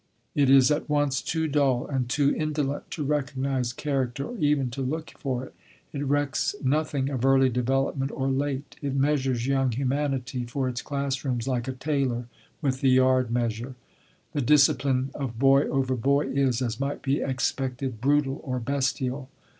It is at once too dull and too indolent to recognise character or even to look for it; it recks nothing of early development or late; it measures young humanity for its class rooms like a tailor, with the yard measure. The discipline of boy over boy is, as might be expected, brutal or bestial.